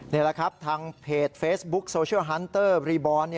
นี่แหละครับทางเพจเฟซบุ๊คโซเชียลฮันเตอร์บรีบอล